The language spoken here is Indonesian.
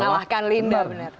mengalahkan linda benar